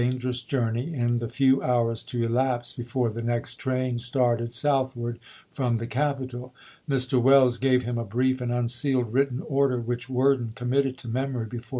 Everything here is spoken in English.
gerous journey, in the few hours to elapse before the next train started southward from the capital. Mr. Welles gave him a brief and unsealed written 'Silly" order which Worden committed to memory before '^^p.'